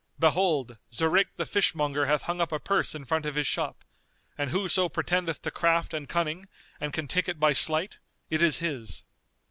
Behold, Zurayk the fishmonger hath hung up a purse in front of his shop, and whoso pretendeth to craft and cunning, and can take it by sleight, it is his.